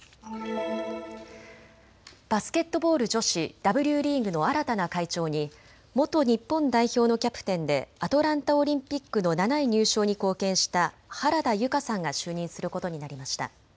バスケットボール女子、Ｗリーグの新たな会長に元日本代表のキャプテンでアトランタオリンピックの７位入賞に貢献した原田裕花さんが就任することになりました。